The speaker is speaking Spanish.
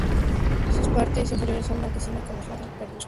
Sus partes inferiores son blanquecinas con los flancos parduzcos.